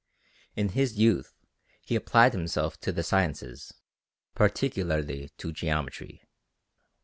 In his youth he applied himself to the sciences, particularly to geometry.